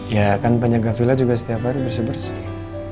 ya kan penjaga villa juga setiap hari bersih bersih